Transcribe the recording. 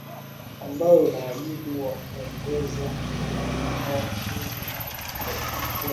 ambayo ina wajibu wa kuongoza juhudi za kuifikia jamii inayoendeshwa na Tume Huru ya Habari ya Liberia